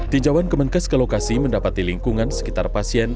tinjauan kemenkes ke lokasi mendapati lingkungan sekitar pasien